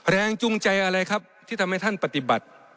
แรงจูงใจอะไรครับที่ทำให้ท่านปฏิบัติ